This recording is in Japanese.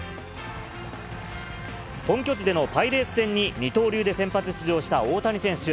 本拠地でのパイレーツ戦に二刀流で先発出場した大谷選手。